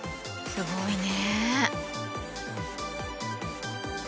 すごいね。